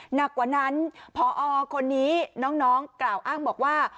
หนักกว่านั้นพอคนนี้น้องกล่าวอ้างบอกว่า